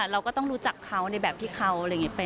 เราก็ต้องรู้จักเขาในแบบที่เขา